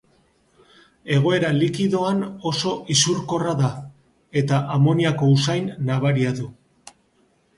Egoera likidoan oso isurkorra da, eta amoniako-usain nabaria du.